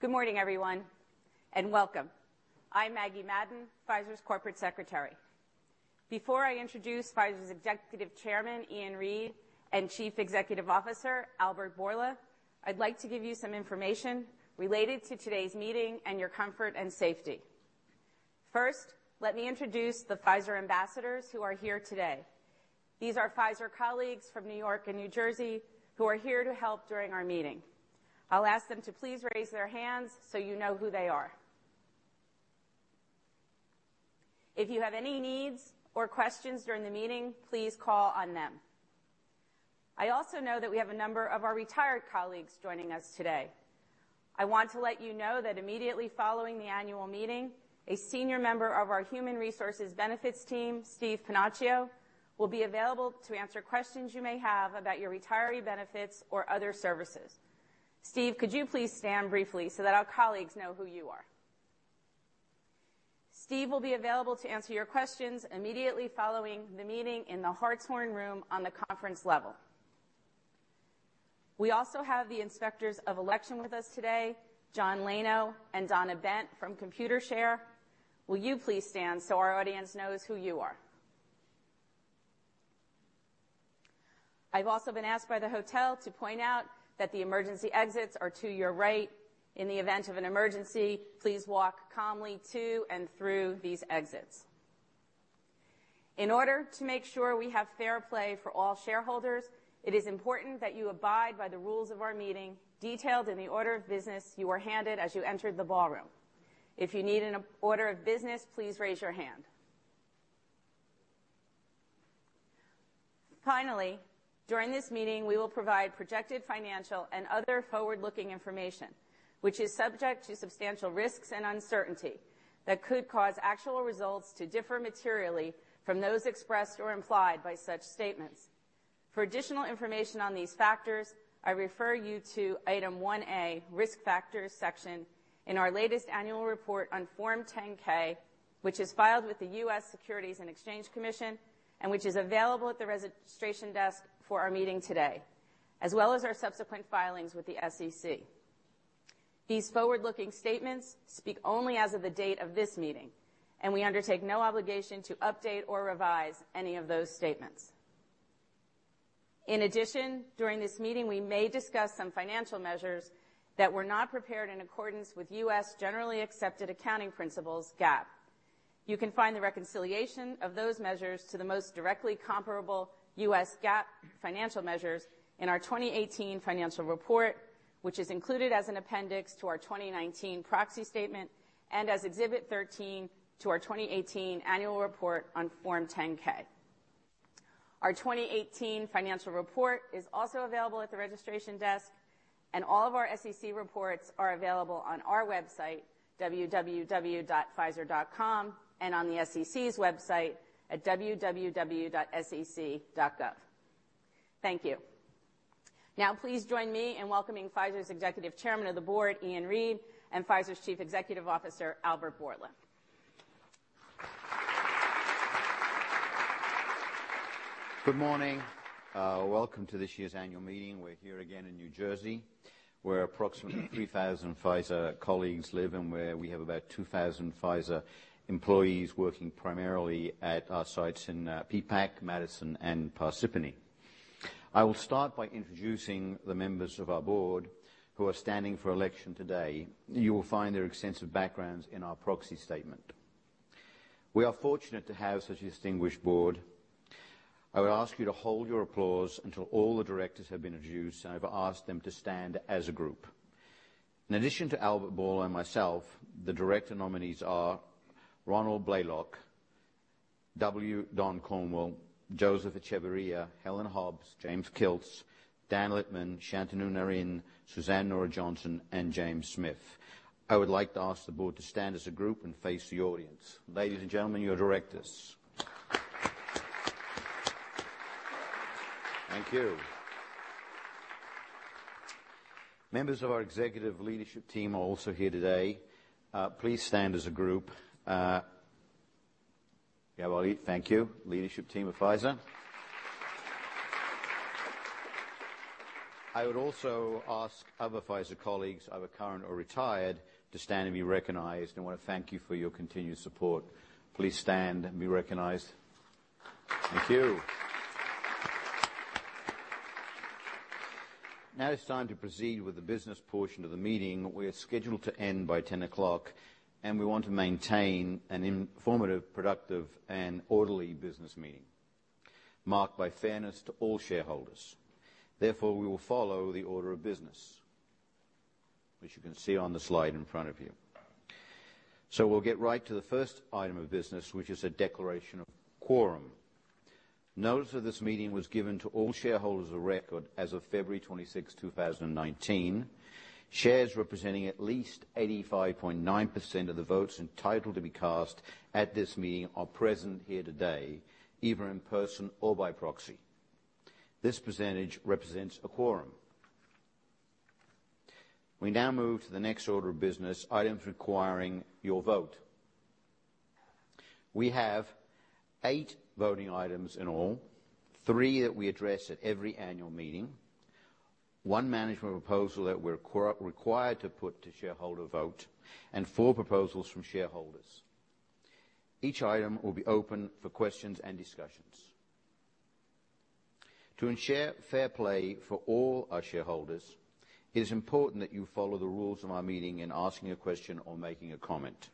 Good morning, everyone, and welcome. I'm Maggie Madden, Pfizer's corporate secretary. Before I introduce Pfizer's Executive Chairman, Ian Read, and Chief Executive Officer, Albert Bourla, I'd like to give you some information related to today's meeting and your comfort and safety. First, let me introduce the Pfizer ambassadors who are here today. These are Pfizer colleagues from New York and New Jersey who are here to help during our meeting. I'll ask them to please raise their hands so you know who they are. If you have any needs or questions during the meeting, please call on them. I also know that we have a number of our retired colleagues joining us today. I want to let you know that immediately following the annual meeting, a senior member of our human resources benefits team, Steve Pennacchio, will be available to answer questions you may have about your retiree benefits or other services. Steve, could you please stand briefly so that our colleagues know who you are? Steve will be available to answer your questions immediately following the meeting in the Hartshorn Room on the conference level. We also have the inspectors of election with us today, John Lano and Donna Bent from Computershare. Will you please stand so our audience knows who you are? I've also been asked by the hotel to point out that the emergency exits are to your right. In the event of an emergency, please walk calmly to and through these exits. In order to make sure we have fair play for all shareholders, it is important that you abide by the rules of our meeting detailed in the order of business you were handed as you entered the ballroom. If you need an order of business, please raise your hand. During this meeting, we will provide projected financial and other forward-looking information, which is subject to substantial risks and uncertainty that could cause actual results to differ materially from those expressed or implied by such statements. For additional information on these factors, I refer you to Item 1A, Risk Factors section in our latest annual report on Form 10-K, which is filed with the U.S. Securities and Exchange Commission and which is available at the registration desk for our meeting today, as well as our subsequent filings with the SEC. These forward-looking statements speak only as of the date of this meeting. We undertake no obligation to update or revise any of those statements. In addition, during this meeting, we may discuss some financial measures that were not prepared in accordance with U.S. generally accepted accounting principles, GAAP. You can find the reconciliation of those measures to the most directly comparable U.S. GAAP financial measures in our 2018 financial report, which is included as an appendix to our 2019 proxy statement and as Exhibit 13 to our 2018 annual report on Form 10-K. Our 2018 financial report is also available at the registration desk, and all of our SEC reports are available on our website, www.pfizer.com, and on the SEC's website at www.sec.gov. Thank you. Please join me in welcoming Pfizer's Executive Chairman of the board, Ian Read, and Pfizer's Chief Executive Officer, Albert Bourla. Good morning. Welcome to this year's annual meeting. We're here again in New Jersey, where approximately 3,000 Pfizer colleagues live and where we have about 2,000 Pfizer employees working primarily at our sites in Peapack, Madison, and Parsippany. I will start by introducing the members of our board who are standing for election today. You will find their extensive backgrounds in our proxy statement. We are fortunate to have such a distinguished board. I would ask you to hold your applause until all the directors have been introduced, and I've asked them to stand as a group. In addition to Albert Bourla and myself, the director nominees are Ronald Blaylock, W. Don Cornwell, Joseph Echevarria, Helen Hobbs, James Kilts, Dan Littman, Shantanu Narayen, Suzanne Nora Johnson, and James Smith. I would like to ask the board to stand as a group and face the audience. Ladies and gentlemen, your directors. Thank you. Members of our executive leadership team are also here today. Please stand as a group. Yeah, well thank you, leadership team of Pfizer. I would also ask other Pfizer colleagues, either current or retired, to stand and be recognized. I want to thank you for your continued support. Please stand and be recognized. Thank you. Now it's time to proceed with the business portion of the meeting. We are scheduled to end by 10:00 A.M., and we want to maintain an informative, productive, and orderly business meeting marked by fairness to all shareholders. Therefore, we will follow the order of business, which you can see on the slide in front of you. We'll get right to the first item of business, which is a declaration of quorum. Notice of this meeting was given to all shareholders of record as of February 26th, 2019. Shares representing at least 85.9% of the votes entitled to be cast at this meeting are present here today, either in person or by proxy. This percentage represents a quorum. We now move to the next order of business, items requiring your vote. We have eight voting items in all, three that we address at every annual meeting, one management proposal that we're required to put to shareholder vote, and four proposals from shareholders. Each item will be open for questions and discussions. To ensure fair play for all our shareholders, it is important that you follow the rules of our meeting in asking a question or making a comment.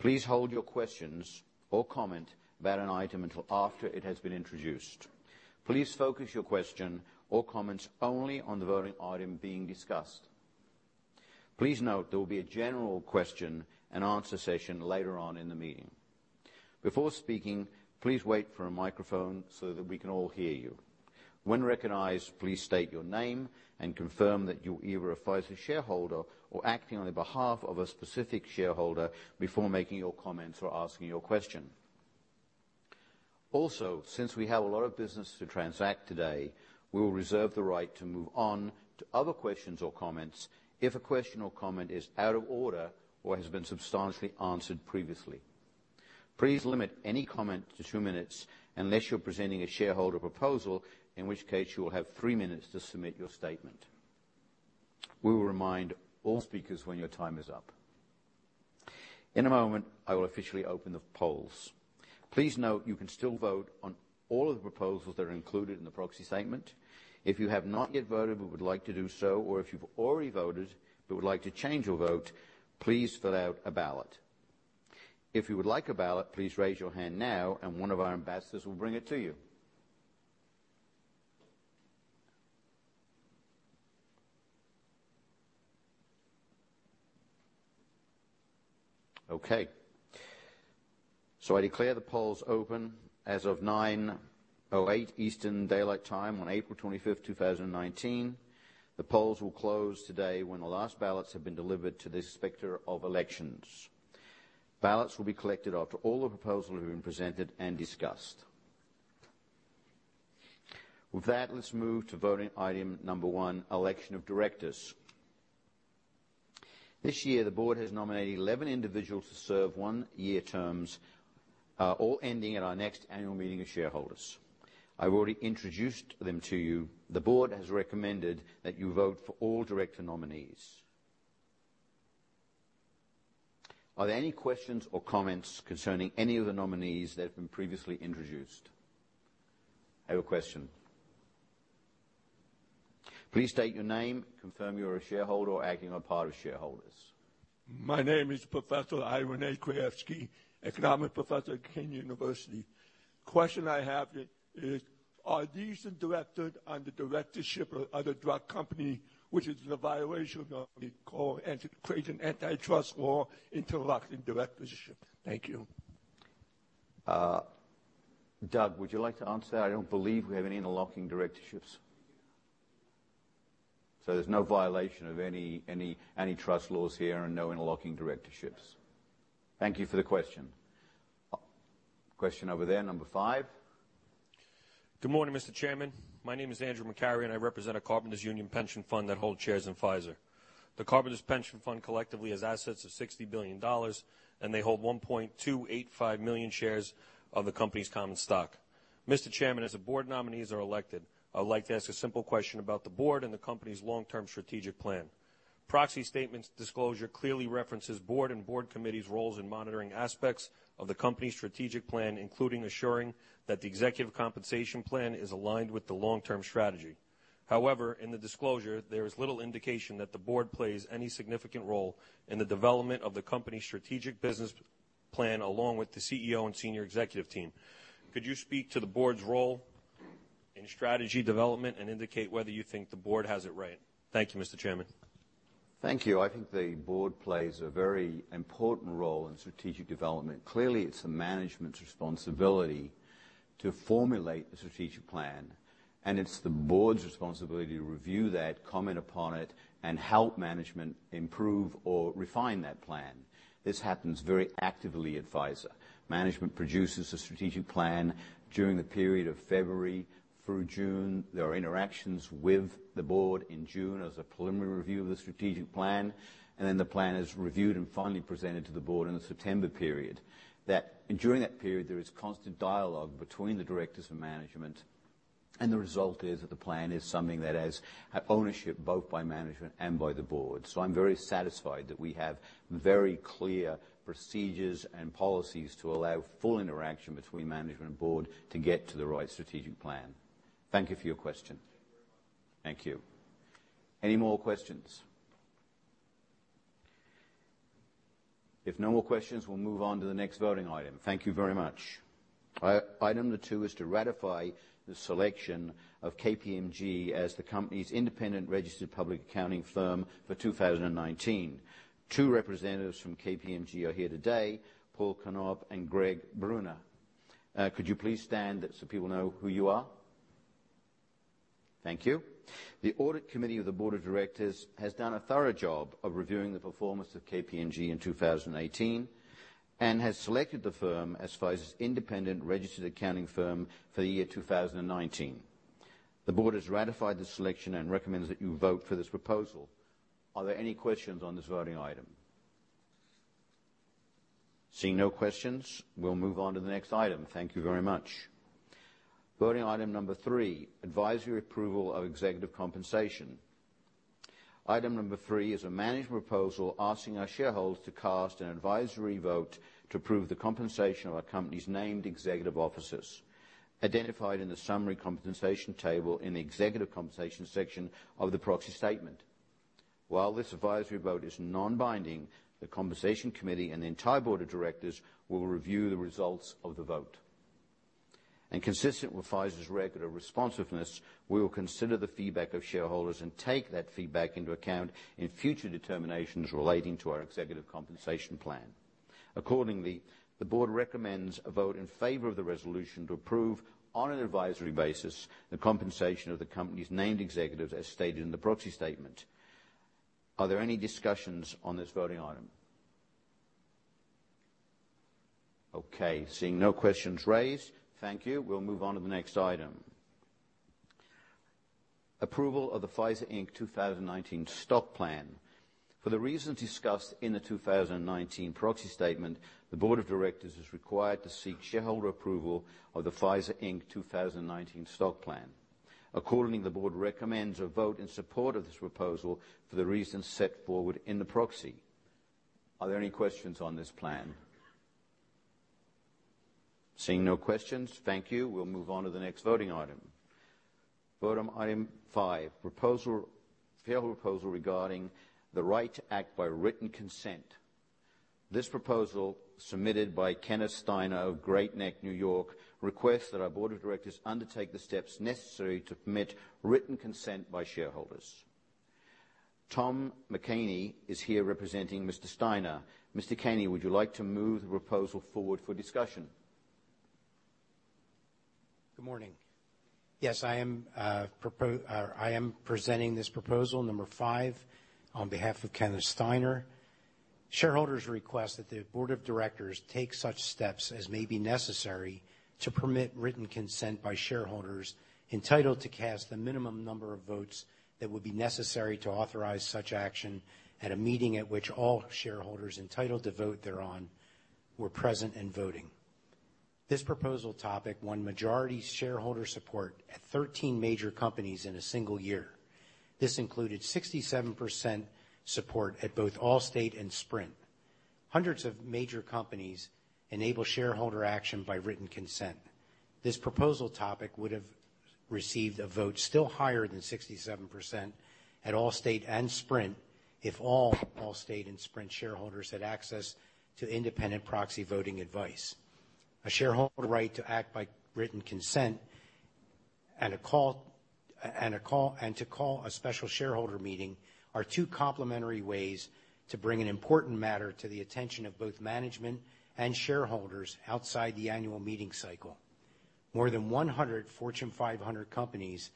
Please hold your questions or comment about an item until after it has been introduced. Please focus your question or comments only on the voting item being discussed. Please note there will be a general question and answer session later on in the meeting. Before speaking, please wait for a microphone so that we can all hear you. When recognized, please state your name and confirm that you either are a Pfizer shareholder or acting on the behalf of a specific shareholder before making your comments or asking your question. Also, since we have a lot of business to transact today, we will reserve the right to move on to other questions or comments if a question or comment is out of order or has been substantially answered previously. Please limit any comment to two minutes, unless you're presenting a shareholder proposal, in which case you will have three minutes to submit your statement. We will remind all speakers when your time is up. In a moment, I will officially open the polls. Please note you can still vote on all of the proposals that are included in the proxy statement. If you have not yet voted but would like to do so, or if you've already voted but would like to change your vote, please fill out a ballot. If you would like a ballot, please raise your hand now and one of our ambassadors will bring it to you. Okay. I declare the polls open as of 9:08 A.M. Eastern Daylight Time on April 25th, 2019. The polls will close today when the last ballots have been delivered to the Inspector of Elections. Ballots will be collected after all the proposals have been presented and discussed. With that, let's move to voting item number 1, election of directors. This year, the board has nominated 11 individuals to serve one-year terms, all ending at our next annual meeting of shareholders. I've already introduced them to you. The board has recommended that you vote for all director nominees. Are there any questions or comments concerning any of the nominees that have been previously introduced? I have a question. Please state your name, confirm you're a shareholder or acting on part of shareholders. My name is Professor Ira N. Krasovsky, economic professor at CUNY University. Question I have is, are these the directors on the directorship of other drug company, which is in a violation of the Clayton Antitrust Act, interlocking directorship? Thank you. Doug, would you like to answer? I don't believe we have any interlocking directorships. There's no violation of any antitrust laws here and no interlocking directorships. Thank you for the question. Question over there, number 5. Good morning, Mr. Chairman. My name is Andrew McCary, and I represent a Carpenters Union Pension Fund that holds shares in Pfizer. The carpenters pension fund collectively has assets of $60 billion, and they hold 1.285 million shares of the company's common stock. Mr. Chairman, as the board nominees are elected, I would like to ask a simple question about the board and the company's long-term strategic plan. Proxy statement's disclosure clearly references board and board committees' roles in monitoring aspects of the company's strategic plan, including assuring that the executive compensation plan is aligned with the long-term strategy. In the disclosure, there is little indication that the board plays any significant role in the development of the company's strategic business plan, along with the CEO and senior executive team. Could you speak to the board's role in strategy development and indicate whether you think the board has it right? Thank you, Mr. Chairman. Thank you. I think the board plays a very important role in strategic development. Clearly, it's the management's responsibility to formulate the strategic plan, and it's the board's responsibility to review that, comment upon it, and help management improve or refine that plan. This happens very actively at Pfizer. Management produces a strategic plan during the period of February through June. There are interactions with the board in June as a preliminary review of the strategic plan, and then the plan is reviewed and finally presented to the board in the September period. During that period, there is constant dialogue between the directors and management, and the result is that the plan is something that has ownership both by management and by the board. I'm very satisfied that we have very clear procedures and policies to allow full interaction between management and board to get to the right strategic plan. Thank you for your question. Thank you very much. Thank you. Any more questions? If no more questions, we'll move on to the next voting item. Thank you very much. Item number 2 is to ratify the selection of KPMG as the company's independent registered public accounting firm for 2019. Two representatives from KPMG are here today, Paul Knorr and Greg Brunner. Could you please stand so people know who you are? Thank you. The audit committee of the board of directors has done a thorough job of reviewing the performance of KPMG in 2018 and has selected the firm as Pfizer's independent registered accounting firm for the year 2019. The board has ratified this selection and recommends that you vote for this proposal. Are there any questions on this voting item? Seeing no questions, we'll move on to the next item. Thank you very much. Voting item number 3, advisory approval of executive compensation. Item number 3 is a management proposal asking our shareholders to cast an advisory vote to approve the compensation of our company's named executive officers identified in the summary compensation table in the executive compensation section of the proxy statement. While this advisory vote is non-binding, the compensation committee and the entire board of directors will review the results of the vote. Consistent with Pfizer's regular responsiveness, we will consider the feedback of shareholders and take that feedback into account in future determinations relating to our executive compensation plan. Accordingly, the board recommends a vote in favor of the resolution to approve, on an advisory basis, the compensation of the company's named executives as stated in the proxy statement. Are there any discussions on this voting item? Okay, seeing no questions raised. Thank you. We'll move on to the next item. Approval of the Pfizer Inc. 2019 stock plan. For the reasons discussed in the 2019 proxy statement, the board of directors is required to seek shareholder approval of the Pfizer Inc. 2019 stock plan. Accordingly, the board recommends a vote in support of this proposal for the reasons set forward in the proxy. Are there any questions on this plan? Seeing no questions. Thank you. We'll move on to the next voting item. Voting item 5, shareholder proposal regarding the right to act by written consent. This proposal, submitted by Kenneth Steiner of Great Neck, N.Y., requests that our board of directors undertake the steps necessary to permit written consent by shareholders. Tom McCaney is here representing Mr. Steiner. Mr. McCaney, would you like to move the proposal forward for discussion? Good morning. Yes, I am presenting this proposal number 5 on behalf of Kenneth Steiner. Shareholders request that the board of directors take such steps as may be necessary to permit written consent by shareholders entitled to cast the minimum number of votes that would be necessary to authorize such action at a meeting at which all shareholders entitled to vote thereon were present and voting. This proposal topic won majority shareholder support at 13 major companies in a single year. This included 67% support at both Allstate and Sprint. Hundreds of major companies enable shareholder action by written consent. This proposal topic would have received a vote still higher than 67% at Allstate and Sprint if all Allstate and Sprint shareholders had access to independent proxy voting advice. A shareholder right to act by written consent and to call a special shareholder meeting are two complementary ways to bring an important matter to the attention of both management and shareholders outside the annual meeting cycle. More than 100 Fortune 500 companies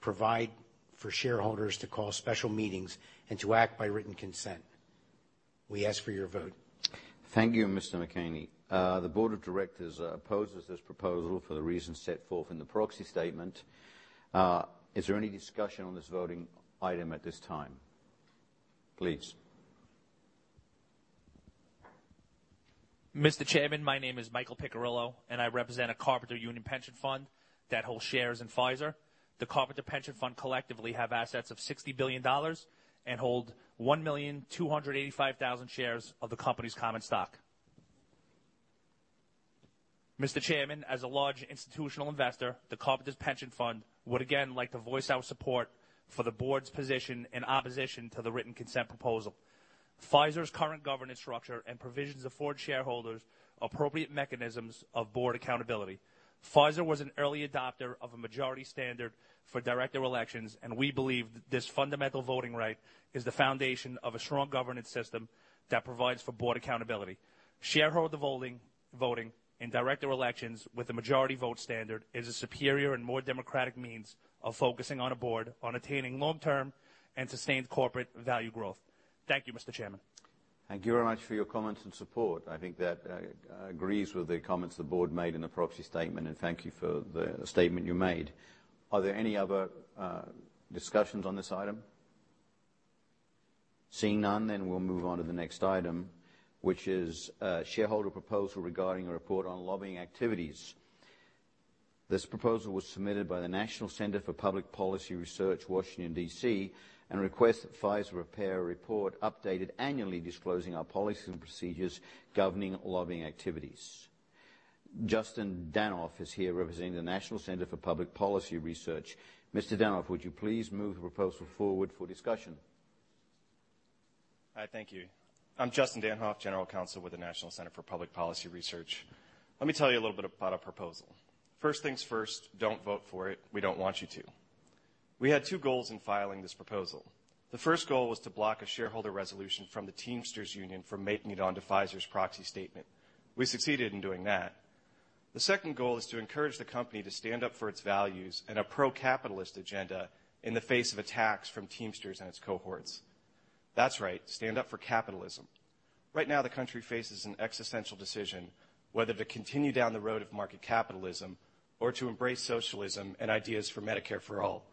provide for shareholders to call special meetings and to act by written consent. We ask for your vote. Thank you, Mr. McCaney. The board of directors opposes this proposal for the reasons set forth in the proxy statement. Is there any discussion on this voting item at this time? Please. Mr. Chairman, my name is Michael Piccirillo, and I represent a Carpenter Union pension fund that holds shares in Pfizer. The Carpenter pension fund collectively have assets of $60 billion and hold 1,285,000 shares of the company's common stock. Mr. Chairman, as a large institutional investor, the Carpenters pension fund would again like to voice our support for the board's position in opposition to the written consent proposal. Pfizer's current governance structure and provisions afford shareholders appropriate mechanisms of board accountability. Pfizer was an early adopter of a majority standard for director elections, and we believe this fundamental voting right is the foundation of a strong governance system that provides for board accountability. Shareholder voting in director elections with the majority vote standard is a superior and more democratic means of focusing on a board on attaining long-term and sustained corporate value growth. Thank you, Mr. Chairman. Thank you very much for your comments and support. I think that agrees with the comments the board made in the proxy statement, and thank you for the statement you made. Are there any other discussions on this item? Seeing none, we'll move on to the next item, which is a shareholder proposal regarding a report on lobbying activities. This proposal was submitted by the National Center for Public Policy Research, Washington, D.C., and requests that Pfizer prepare a report updated annually disclosing our policies and procedures governing lobbying activities. Justin Danhof is here representing the National Center for Public Policy Research. Mr. Danhof, would you please move the proposal forward for discussion? Hi, thank you. I'm Justin Danhof, general counsel with the National Center for Public Policy Research. Let me tell you a little bit about our proposal. First things first, don't vote for it. We don't want you to. We had two goals in filing this proposal. The first goal was to block a shareholder resolution from the Teamsters Union from making it onto Pfizer's proxy statement. We succeeded in doing that. The second goal is to encourage the company to stand up for its values and a pro-capitalist agenda in the face of attacks from Teamsters and its cohorts. That's right, stand up for capitalism. Right now, the country faces an existential decision whether to continue down the road of market capitalism or to embrace socialism and ideas for Medicare for All.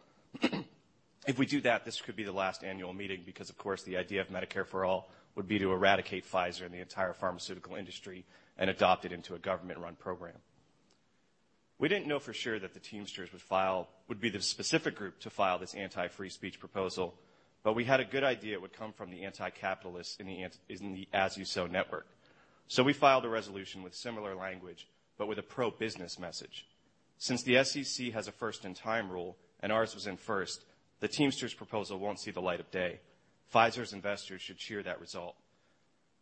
If we do that, this could be the last annual meeting, because of course, the idea of Medicare for All would be to eradicate Pfizer and the entire pharmaceutical industry, and adopt it into a government-run program. We didn't know for sure that the Teamsters would be the specific group to file this anti-free speech proposal, but we had a good idea it would come from the anti-capitalists in the As You Sow network. We filed a resolution with similar language, but with a pro-business message. Since the SEC has a first in time rule, ours was in first, the Teamsters' proposal won't see the light of day. Pfizer's investors should cheer that result.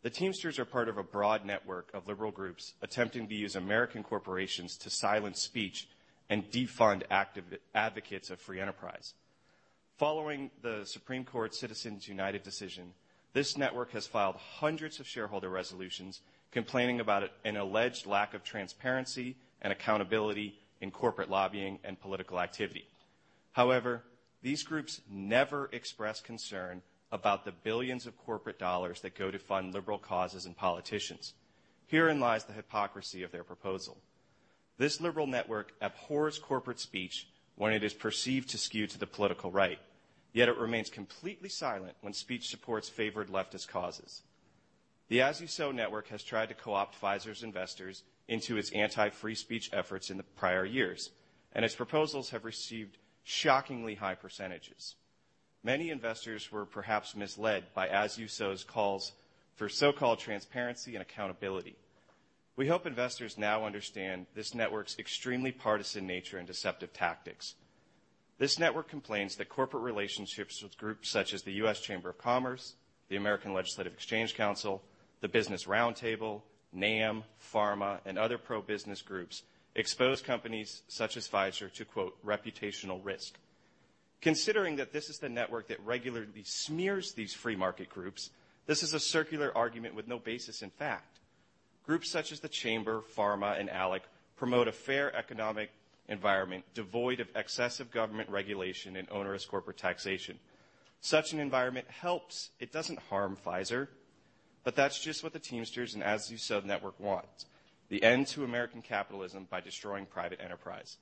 The Teamsters are part of a broad network of liberal groups attempting to use American corporations to silence speech and defund advocates of free enterprise. Following the Supreme Court Citizens United decision, this network has filed hundreds of shareholder resolutions complaining about an alleged lack of transparency and accountability in corporate lobbying and political activity. However, these groups never express concern about the billions of corporate dollars that go to fund liberal causes and politicians. Herein lies the hypocrisy of their proposal. This liberal network abhors corporate speech when it is perceived to skew to the political right, yet it remains completely silent when speech supports favored leftist causes. The As You Sow network has tried to co-opt Pfizer's investors into its anti-free speech efforts in the prior years, its proposals have received shockingly high percentages. Many investors were perhaps misled by As You Sow's calls for so-called transparency and accountability. We hope investors now understand this network's extremely partisan nature and deceptive tactics. This network complains that corporate relationships with groups such as the U.S. Chamber of Commerce, the American Legislative Exchange Council, the Business Roundtable, NAM, PhRMA, and other pro-business groups expose companies such as Pfizer to, quote, "reputational risk." Considering that this is the network that regularly smears these free market groups, this is a circular argument with no basis in fact. Groups such as the Chamber, PhRMA, and ALEC promote a fair economic environment devoid of excessive government regulation and onerous corporate taxation. Such an environment helps, it doesn't harm Pfizer. That's just what the Teamsters and As You Sow network want, the end to American capitalism by destroying private enterprise.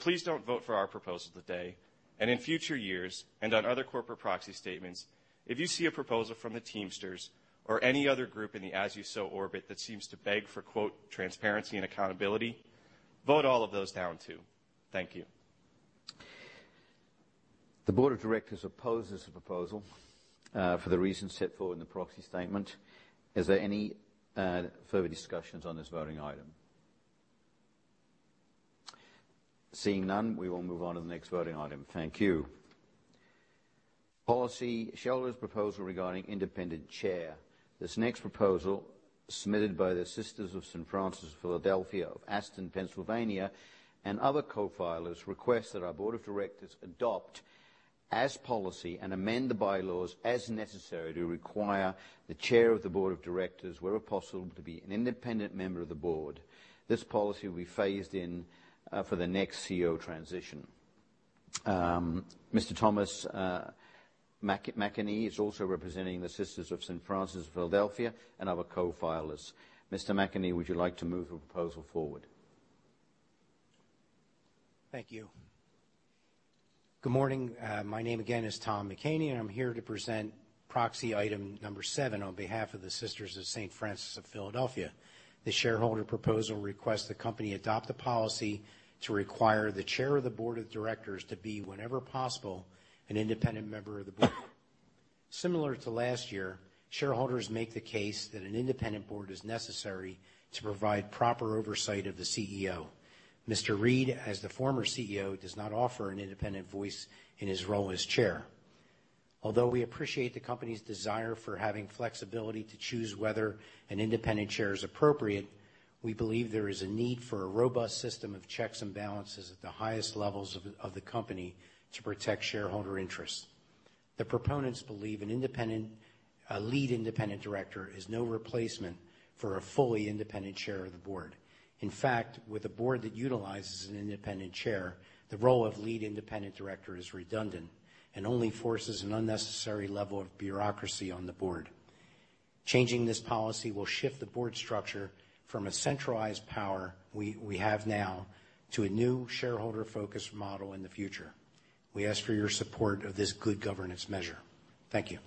Please don't vote for our proposal today, and in future years, and on other corporate proxy statements, if you see a proposal from the Teamsters or any other group in the As You Sow orbit that seems to beg for, quote, "transparency and accountability," vote all of those down, too. Thank you. The board of directors opposes the proposal for the reasons set forward in the proxy statement. Is there any further discussions on this voting item? Seeing none, we will move on to the next voting item. Thank you. Policy shareholders' proposal regarding independent chair. This next proposal, submitted by the Sisters of St. Francis of Philadelphia of Aston, Pennsylvania, and other co-filers request that our board of directors adopt as policy and amend the bylaws as necessary to require the chair of the board of directors, where possible, to be an independent member of the board. This policy will be phased in for the next CEO transition. Mr. Thomas McCaney is also representing the Sisters of St. Francis of Philadelphia and other co-filers. Mr. McCaney, would you like to move the proposal forward? Thank you. Good morning. My name again is Tom McCaney, and I'm here to present proxy item number 7 on behalf of the Sisters of St. Francis of Philadelphia. The shareholder proposal requests the company adopt a policy to require the chair of the board of directors to be, whenever possible, an independent member of the board. Similar to last year, shareholders make the case that an independent board is necessary to provide proper oversight of the CEO. Mr. Read, as the former CEO, does not offer an independent voice in his role as chair. Although we appreciate the company's desire for having flexibility to choose whether an independent chair is appropriate, we believe there is a need for a robust system of checks and balances at the highest levels of the company to protect shareholder interests. The proponents believe a lead independent director is no replacement for a fully independent chair of the board. In fact, with a board that utilizes an independent chair, the role of lead independent director is redundant and only forces an unnecessary level of bureaucracy on the board. Changing this policy will shift the board structure from a centralized power we have now to a new shareholder-focused model in the future. We ask for your support of this good governance measure. Thank you.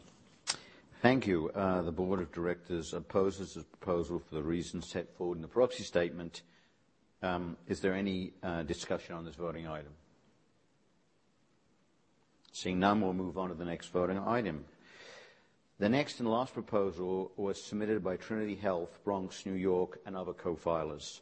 Thank you. The Board of Directors opposes this proposal for the reasons set forward in the proxy statement. Is there any discussion on this voting item? Seeing none, we will move on to the next voting item. The next and last proposal was submitted by Trinity Health, Bronx, New York, and other co-filers.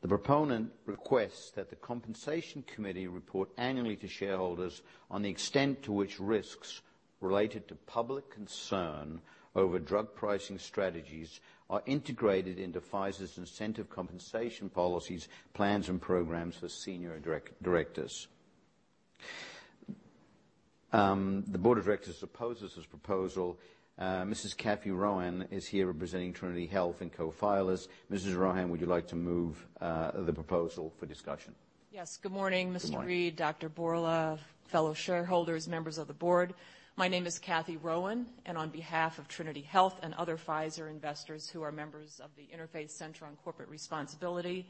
The proponent requests that the Compensation Committee report annually to shareholders on the extent to which risks related to public concern over drug pricing strategies are integrated into Pfizer's incentive compensation policies, plans, and programs for senior directors. The Board of Directors opposes this proposal. Mrs. Cathy Rowan is here representing Trinity Health and co-filers. Mrs. Rowan, would you like to move the proposal for discussion? Yes. Good morning, Mr. Read Good morning. Dr. Bourla, fellow shareholders, members of the board. My name is Cathy Rowan, on behalf of Trinity Health and other Pfizer investors who are members of the Interfaith Center on Corporate Responsibility,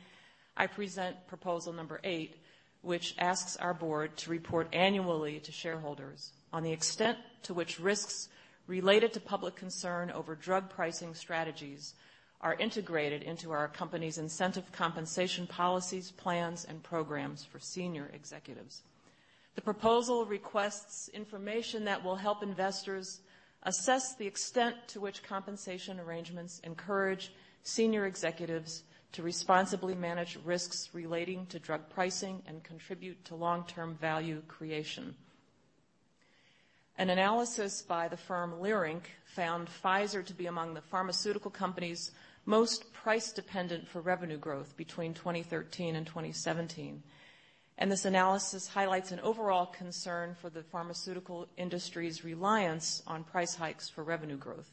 I present proposal number eight, which asks our board to report annually to shareholders on the extent to which risks related to public concern over drug pricing strategies are integrated into our company's incentive compensation policies, plans, and programs for senior executives. The proposal requests information that will help investors assess the extent to which compensation arrangements encourage senior executives to responsibly manage risks relating to drug pricing and contribute to long-term value creation. An analysis by the firm Leerink found Pfizer to be among the pharmaceutical companies most price-dependent for revenue growth between 2013 and 2017. This analysis highlights an overall concern for the pharmaceutical industry's reliance on price hikes for revenue growth.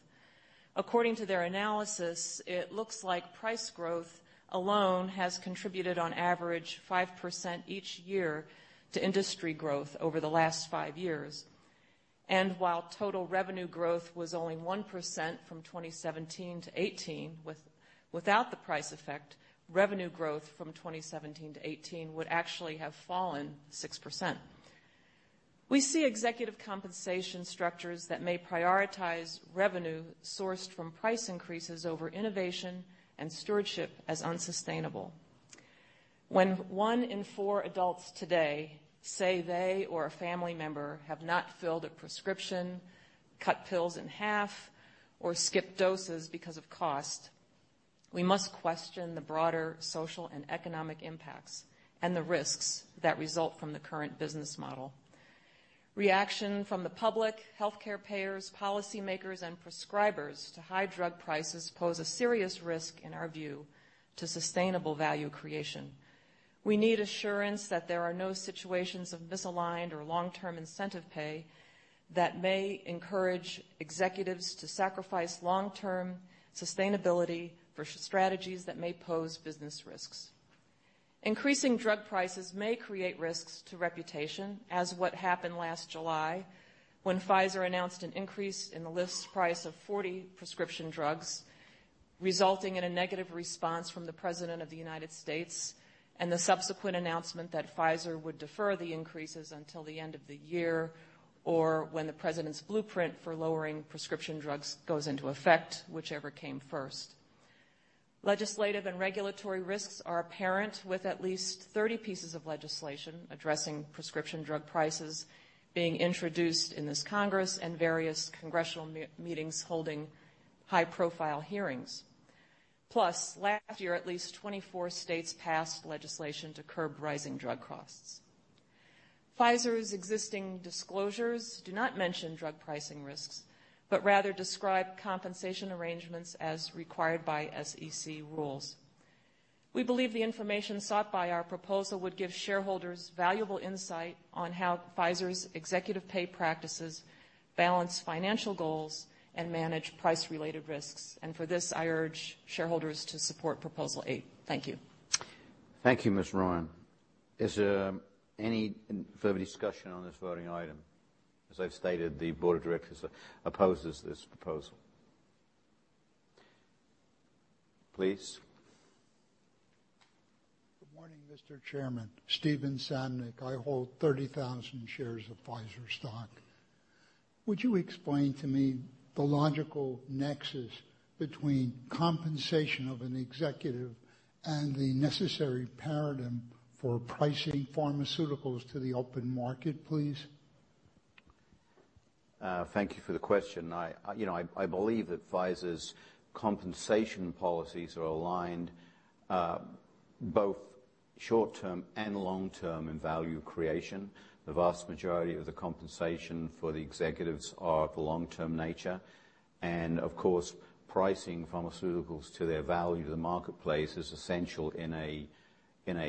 According to their analysis, it looks like price growth alone has contributed, on average, 5% each year to industry growth over the last five years. While total revenue growth was only 1% from 2017 to 2018, without the price effect, revenue growth from 2017 to 2018 would actually have fallen 6%. We see executive compensation structures that may prioritize revenue sourced from price increases over innovation and stewardship as unsustainable. When one in four adults today say they or a family member have not filled a prescription, cut pills in half, or skipped doses because of cost, we must question the broader social and economic impacts and the risks that result from the current business model. Reaction from the public, healthcare payers, policymakers, and prescribers to high drug prices pose a serious risk, in our view, to sustainable value creation. We need assurance that there are no situations of misaligned or long-term incentive pay that may encourage executives to sacrifice long-term sustainability for strategies that may pose business risks. Increasing drug prices may create risks to reputation, as what happened last July when Pfizer announced an increase in the list price of 40 prescription drugs, resulting in a negative response from the President of the United States and the subsequent announcement that Pfizer would defer the increases until the end of the year, or when the president's blueprint for lowering prescription drugs goes into effect, whichever came first. Legislative and regulatory risks are apparent, with at least 30 pieces of legislation addressing prescription drug prices being introduced in this Congress and various congressional meetings holding high-profile hearings. Last year, at least 24 states passed legislation to curb rising drug costs. Pfizer's existing disclosures do not mention drug pricing risks, but rather describe compensation arrangements as required by SEC rules. We believe the information sought by our proposal would give shareholders valuable insight on how Pfizer's executive pay practices balance financial goals and manage price-related risks. For this, I urge shareholders to support Proposal eight. Thank you. Thank you, Ms. Rowan. Is there any further discussion on this voting item? As I've stated, the board of directors opposes this proposal. Please. Good morning, Mr. Chairman. Steven Sandick. I hold 30,000 shares of Pfizer stock. Would you explain to me the logical nexus between compensation of an executive and the necessary paradigm for pricing pharmaceuticals to the open market, please? Thank you for the question. I believe that Pfizer's compensation policies are aligned both short-term and long-term in value creation. The vast majority of the compensation for the executives are of a long-term nature. Of course, pricing pharmaceuticals to their value to the marketplace is essential in a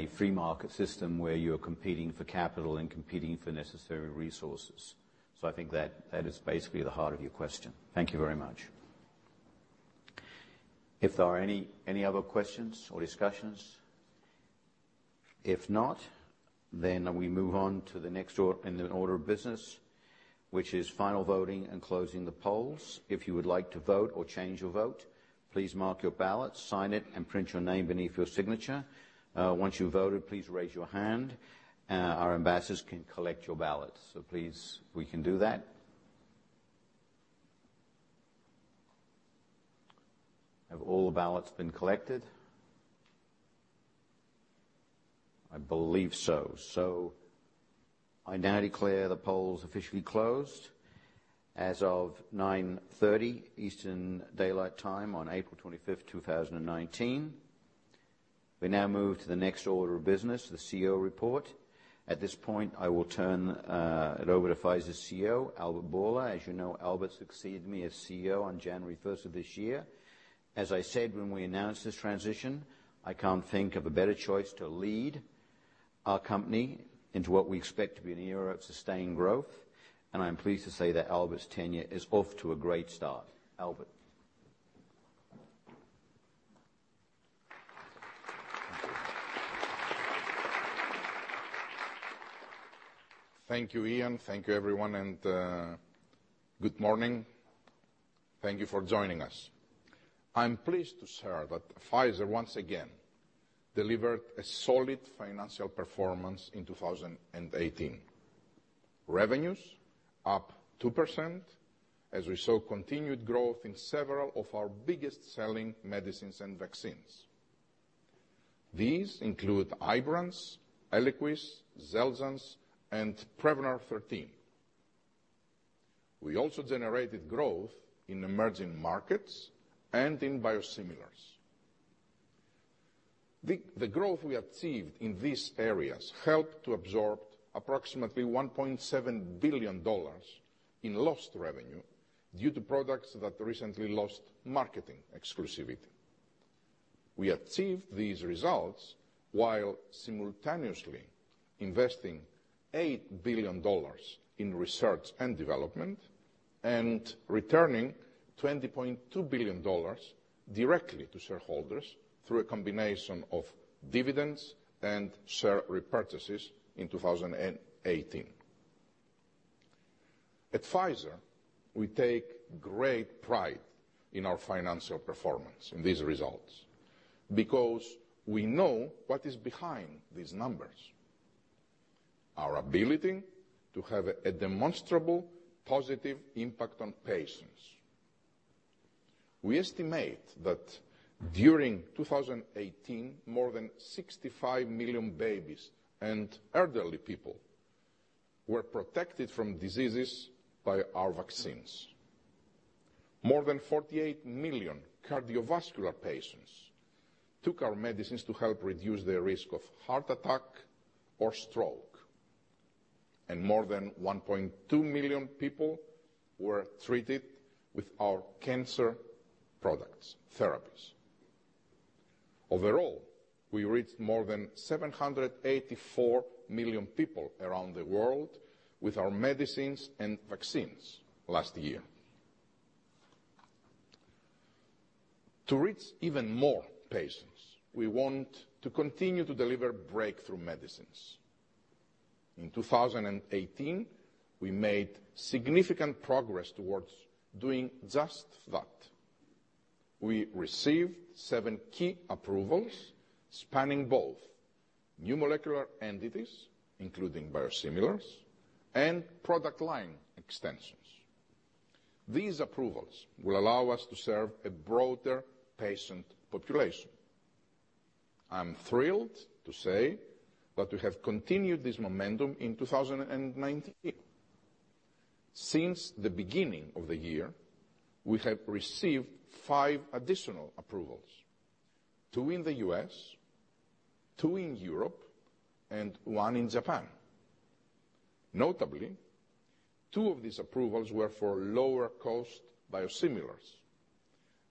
free market system where you're competing for capital and competing for necessary resources. I think that is basically the heart of your question. Thank you very much. If there are any other questions or discussions? If not, we move on to the next in the order of business, which is final voting and closing the polls. If you would like to vote or change your vote, please mark your ballot, sign it, and print your name beneath your signature. Once you've voted, please raise your hand. Our ambassadors can collect your ballots. Please, if we can do that. Have all the ballots been collected? I believe so. I now declare the polls officially closed as of 9:30 A.M. Eastern Daylight Time on April 25th, 2019. We now move to the next order of business, the CEO report. At this point, I will turn it over to Pfizer's CEO, Albert Bourla. As you know, Albert succeeded me as CEO on January 1st of this year. As I said when we announced this transition, I can't think of a better choice to lead our company into what we expect to be an era of sustained growth. I'm pleased to say that Albert's tenure is off to a great start. Albert. Thank you. Thank you, Ian. Thank you, everyone, and good morning. Thank you for joining us. I'm pleased to share that Pfizer, once again, delivered a solid financial performance in 2018. Revenues up 2%, as we saw continued growth in several of our biggest selling medicines and vaccines. These include IBRANCE, ELIQUIS, XELJANZ, and Prevnar 13. We also generated growth in emerging markets and in biosimilars. The growth we achieved in these areas helped to absorb approximately $1.7 billion in lost revenue due to products that recently lost marketing exclusivity. We achieved these results while simultaneously investing $8 billion in research and development, and returning $20.2 billion directly to shareholders through a combination of dividends and share repurchases in 2018. At Pfizer, we take great pride in our financial performance in these results because we know what is behind these numbers. Our ability to have a demonstrable positive impact on patients. We estimate that during 2018, more than 65 million babies and elderly people were protected from diseases by our vaccines. More than 48 million cardiovascular patients took our medicines to help reduce their risk of heart attack or stroke. More than 1.2 million people were treated with our cancer products, therapies. Overall, we reached more than 784 million people around the world with our medicines and vaccines last year. To reach even more patients, we want to continue to deliver breakthrough medicines. In 2018, we made significant progress towards doing just that. We received seven key approvals spanning both new molecular entities, including biosimilars, and product line extensions. These approvals will allow us to serve a broader patient population. I'm thrilled to say that we have continued this momentum in 2019. Since the beginning of the year, we have received five additional approvals, two in the U.S., two in Europe, and one in Japan. Notably, two of these approvals were for lower-cost biosimilars,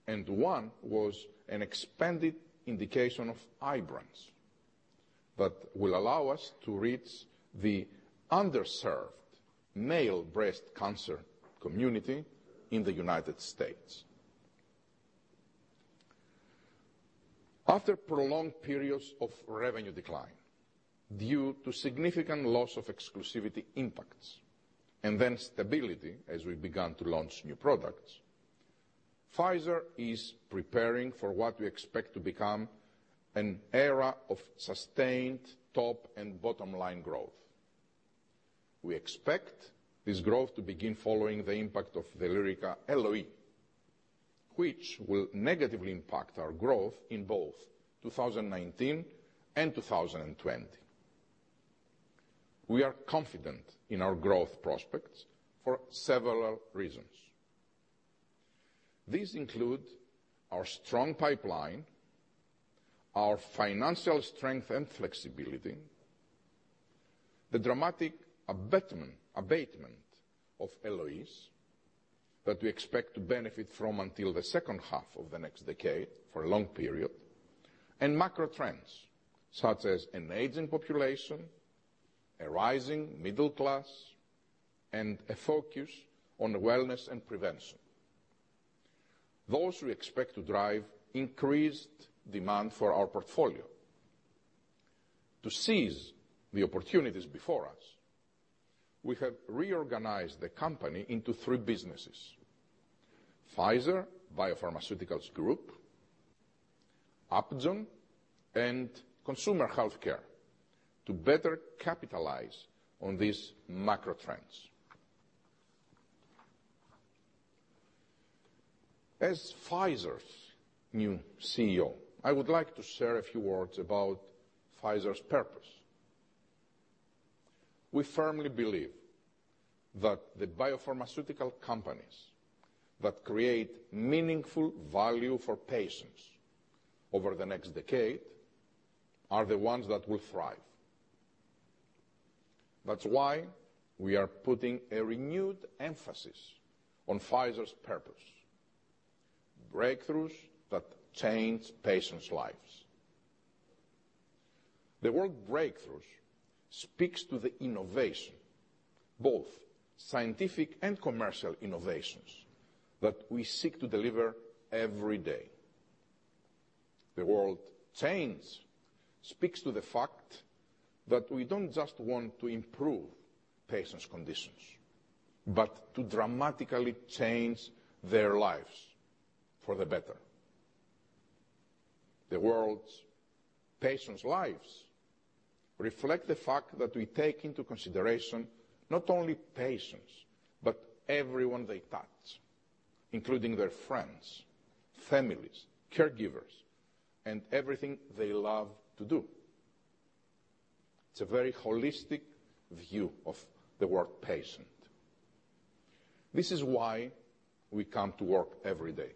and one was an expanded indication of IBRANCE that will allow us to reach the underserved male breast cancer community in the United States. After prolonged periods of revenue decline due to significant loss of exclusivity impacts, and then stability as we began to launch new products, Pfizer is preparing for what we expect to become an era of sustained top and bottom-line growth. We expect this growth to begin following the impact of Lyrica LOE, which will negatively impact our growth in both 2019 and 2020. We are confident in our growth prospects for several reasons. These include our strong pipeline, our financial strength and flexibility, the dramatic abatement of LOEs that we expect to benefit from until the second half of the next decade for a long period, and macro trends such as an aging population, a rising middle class, and a focus on wellness and prevention. Those we expect to drive increased demand for our portfolio. To seize the opportunities before us, we have reorganized the company into three businesses. Pfizer Biopharmaceuticals Group, Upjohn, and Consumer Healthcare to better capitalize on these macro trends. As Pfizer's new CEO, I would like to share a few words about Pfizer's purpose. We firmly believe that the biopharmaceutical companies that create meaningful value for patients over the next decade are the ones that will thrive. That's why we are putting a renewed emphasis on Pfizer's purpose, breakthroughs that change patients' lives. The word breakthroughs speaks to the innovation, both scientific and commercial innovations, that we seek to deliver every day. The word change speaks to the fact that we don't just want to improve patients' conditions, but to dramatically change their lives for the better. The words patients' lives reflect the fact that we take into consideration not only patients, but everyone they touch, including their friends, families, caregivers, and everything they love to do. It's a very holistic view of the word patient. This is why we come to work every day.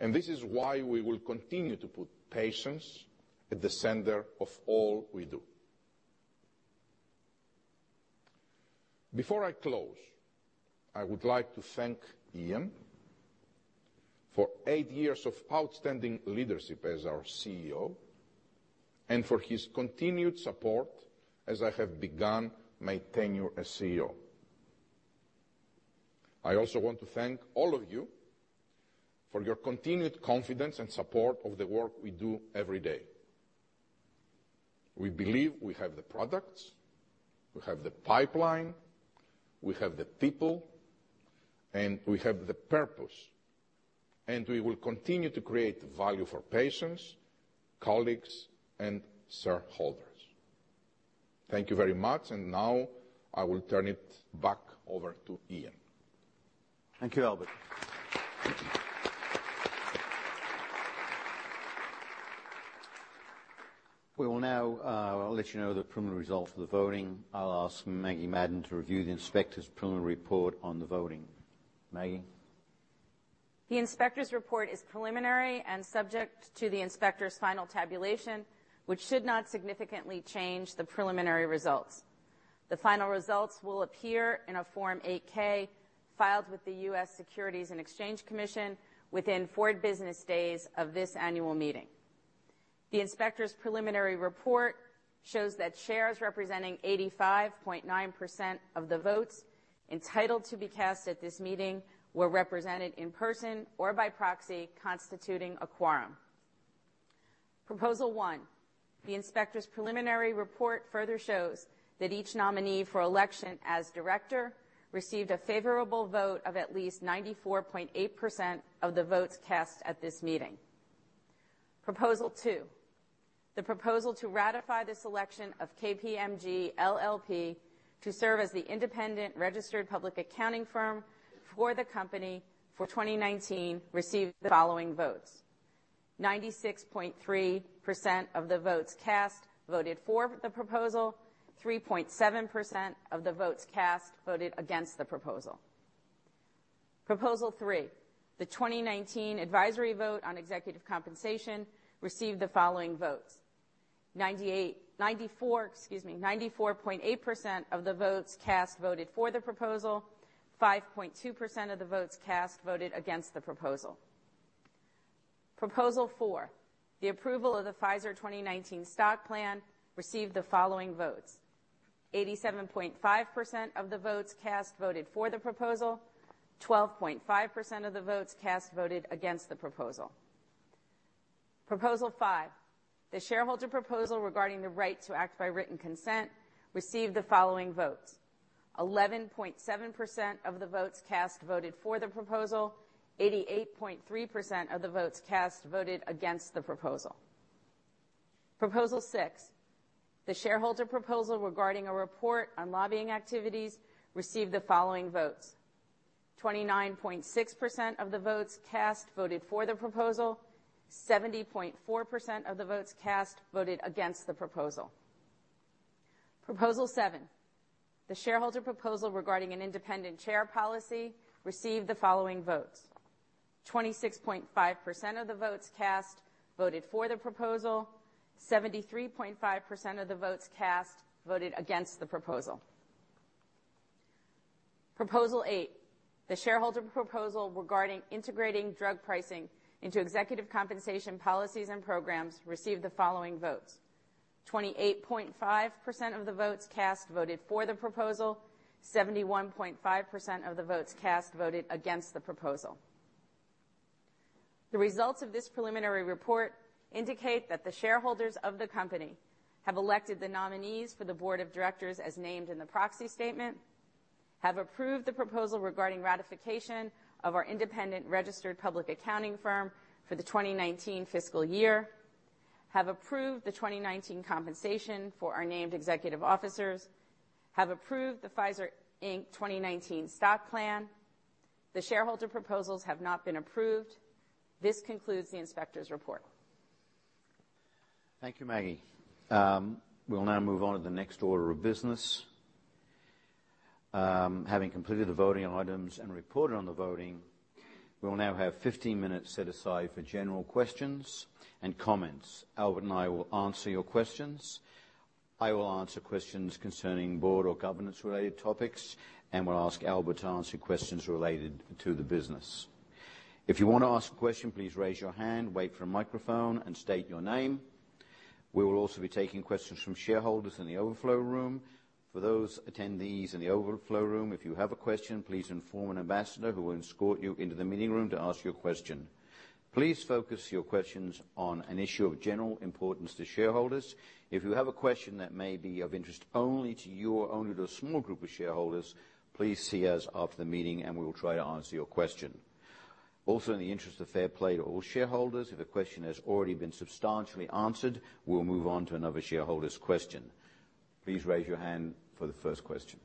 This is why we will continue to put patients at the center of all we do. Before I close, I would like to thank Ian for 8 years of outstanding leadership as our CEO and for his continued support as I have begun my tenure as CEO. I also want to thank all of you for your continued confidence and support of the work we do every day. We believe we have the products, we have the pipeline, we have the people, and we have the purpose, and we will continue to create value for patients, colleagues, and shareholders. Thank you very much. Now I will turn it back over to Ian. Thank you, Albert. I'll let you know the preliminary results of the voting. I'll ask Maggie Madden to review the inspector's preliminary report on the voting. Maggie? The inspector's report is preliminary and subject to the inspector's final tabulation, which should not significantly change the preliminary results. The final results will appear in a Form 8-K filed with the U.S. Securities and Exchange Commission within 4 business days of this annual meeting. The inspector's preliminary report shows that shares representing 85.9% of the votes entitled to be cast at this meeting were represented in person or by proxy, constituting a quorum. Proposal 1, the inspector's preliminary report further shows that each nominee for election as director received a favorable vote of at least 94.8% of the votes cast at this meeting. Proposal two, the proposal to ratify the selection of KPMG LLP to serve as the independent registered public accounting firm for the company for 2019 received the following votes: 96.3% of the votes cast voted for the proposal, 3.7% of the votes cast voted against the proposal. Proposal three, the 2019 advisory vote on executive compensation received the following votes: 94.8% of the votes cast voted for the proposal, 5.2% of the votes cast voted against the proposal. Proposal four, the approval of the Pfizer 2019 stock plan received the following votes: 87.5% of the votes cast voted for the proposal, 12.5% of the votes cast voted against the proposal. Proposal five, the shareholder proposal regarding the right to act by written consent received the following votes: 11.7% of the votes cast voted for the proposal, 88.3% of the votes cast voted against the proposal. Proposal six, the shareholder proposal regarding a report on lobbying activities received the following votes: 29.6% of the votes cast voted for the proposal, 70.4% of the votes cast voted against the proposal. Proposal seven, the shareholder proposal regarding an independent chair policy received the following votes: 26.5% of the votes cast voted for the proposal, 73.5% of the votes cast voted against the proposal. Proposal eight, the shareholder proposal regarding integrating drug pricing into executive compensation policies and programs received the following votes: 28.5% of the votes cast voted for the proposal, 71.5% of the votes cast voted against the proposal. The results of this preliminary report indicate that the shareholders of the company have elected the nominees for the board of directors as named in the proxy statement, have approved the proposal regarding ratification of our independent registered public accounting firm for the 2019 fiscal year, have approved the 2019 compensation for our named executive officers, have approved the Pfizer Inc. 2019 stock plan. The shareholder proposals have not been approved. This concludes the inspector's report. Thank you, Maggie. We'll now move on to the next order of business. Having completed the voting on items and reported on the voting, we will now have 15 minutes set aside for general questions and comments. Albert and I will answer your questions. I will answer questions concerning board or governance-related topics, and will ask Albert to answer questions related to the business. If you want to ask a question, please raise your hand, wait for a microphone, and state your name. We will also be taking questions from shareholders in the overflow room. For those attendees in the overflow room, if you have a question, please inform an ambassador, who will escort you into the meeting room to ask your question. Please focus your questions on an issue of general importance to shareholders. If you have a question that may be of interest only to you or only to a small group of shareholders, please see us after the meeting. We will try to answer your question. In the interest of fair play to all shareholders, if a question has already been substantially answered, we'll move on to another shareholder's question. Please raise your hand for the first question.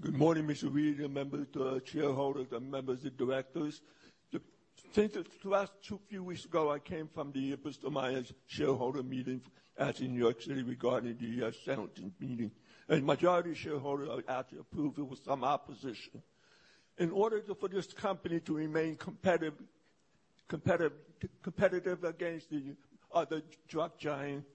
Good morning, Mr. Read, members, shareholders, and members of directors. Since a few weeks ago, I came from the Bristol Myers shareholder meeting out in New York City regarding the shareholders meeting. A majority shareholder had to approve it with some opposition. In order for this company to remain competitive against the other drug giants,